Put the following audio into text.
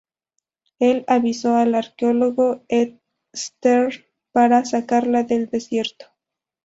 Él avisó al arqueólogo Stern para sacarla del desierto.